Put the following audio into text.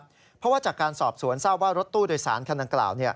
เพราะว่าจากการสอบสวนทราบว่ารถตู้โดยสารคันดังกล่าว